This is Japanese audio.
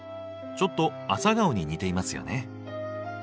ちょっとアサガオに似ていますよね。